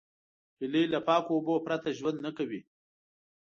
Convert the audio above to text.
هیلۍ له پاکو اوبو پرته ژوند نه کوي